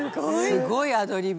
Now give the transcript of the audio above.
すごいアドリブ！